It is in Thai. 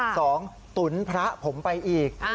ตุ๋นพระผมไปอีก